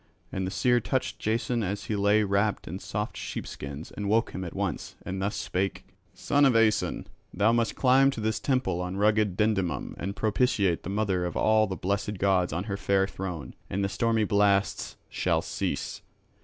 And the seer touched Jason as he lay wrapped in soft sheepskins and woke him at once, and thus spake: "Son of Aeson, thou must climb to this temple on rugged Dindymum and propitiate the mother of all the blessed gods on her fair throne, and the stormy blasts shall cease.